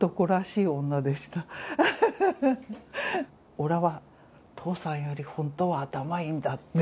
おらは父さんより本当は頭いいんだって言ってたんですよ。